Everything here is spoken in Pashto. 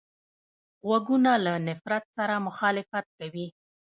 غوږونه له نفرت سره مخالفت کوي